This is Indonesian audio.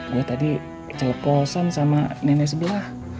gue tadi celeposan sama nenek sebelah